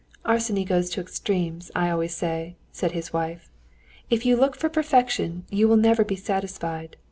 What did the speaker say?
"Arseny goes to extremes, I always say," said his wife. "If you look for perfection, you will never be satisfied.